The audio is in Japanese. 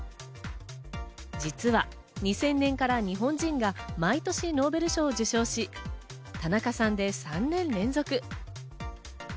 実は２０００年から日本人が毎年ノーベル賞を受賞し、田中さんで３年連続。